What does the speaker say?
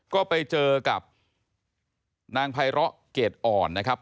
ก็ไปเจอกับนางไพร้อเกรดอ่อนนะครับ